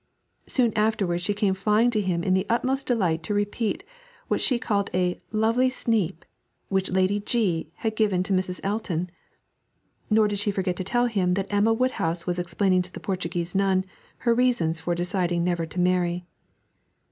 Soon afterwards she came flying to him in the utmost delight to repeat what she called a "lovely sneap" which Lady G had given to Mrs. Elton; nor did she forget to tell him that Emma Woodhouse was explaining to the Portuguese nun her reasons for deciding never to marry.